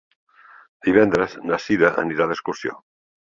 Divendres na Sira anirà d'excursió.